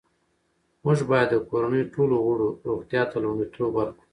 موږ باید د کورنۍ ټولو غړو روغتیا ته لومړیتوب ورکړو